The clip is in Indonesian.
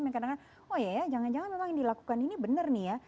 yang kadang kadang oh ya ya jangan jangan memang yang dilakukan ini benar nih ya